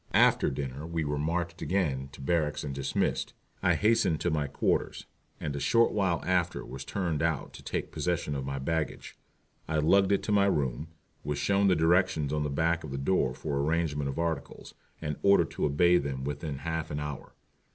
After dinner we were marched again to barracks and dismissed. I hastened to my quarters, and a short while after was turned out to take possession of my baggage. I lugged it to my room, was shown the directions on the back of the door for arrangement of articles, and ordered to obey them within half an hour.